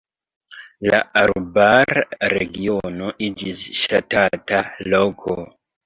La arbara regiono iĝis ŝatata loko.